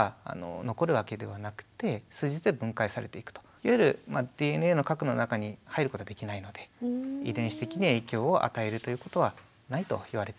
いわゆるＤＮＡの核の中に入ることはできないので遺伝子的に影響を与えるということはないといわれています。